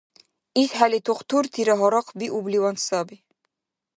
ИшхӀели тухтуртира гьарахъбиубливан саби.